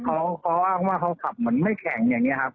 เขาอ้างว่าเขาขับเหมือนไม่แข็งอย่างนี้ครับ